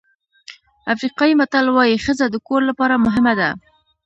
افریقایي متل وایي ښځه د کور لپاره مهمه ده.